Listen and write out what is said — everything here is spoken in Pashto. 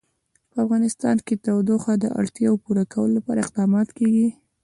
په افغانستان کې د تودوخه د اړتیاوو پوره کولو لپاره اقدامات کېږي.